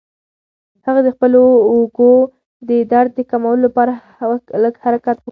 هغه د خپلو اوږو د درد د کمولو لپاره لږ حرکت وکړ.